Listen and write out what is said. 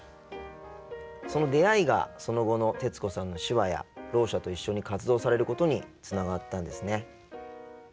その出会いがその後の徹子さんの手話やろう者と一緒に活動されることにつながったんですね。